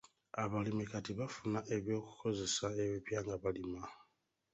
Abalimi kati bafuna eby'okukozesa ebipya nga balima.